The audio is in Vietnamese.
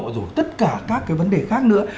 rồi tất cả các cái vấn đề khác nữa